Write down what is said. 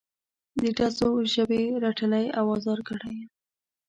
د ډزو ژبې رټلی او ازار کړی یم.